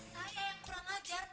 saya yang kurang ajar